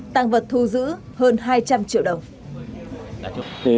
tăng vật thu giữ hơn hai trăm linh triệu đồng